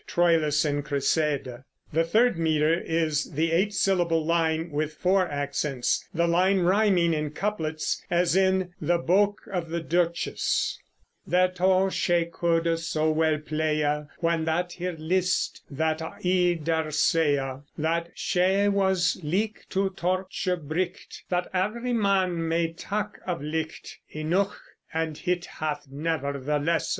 The third meter is the eight syllable line with four accents, the lines riming in couplets, as in the "Boke of the Duchesse": Thereto she coude so wel pleye, Whan that hir liste, that I dar seye That she was lyk to torche bright, That every man may take of light Ynough, and hit hath never the lesse.